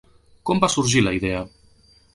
Com va sorgir la idea?